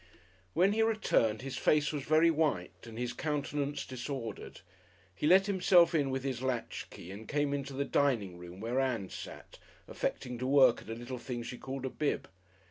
When he returned his face was very white and his countenance disordered. He let himself in with his latchkey and came into the dining room where Ann sat, affecting to work at a little thing she called a bib.